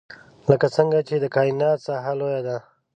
لکه څنګه چې د کاینات ساحه لوی ده.